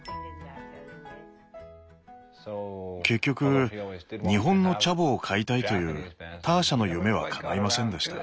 結局日本のチャボを飼いたいというターシャの夢はかないませんでした。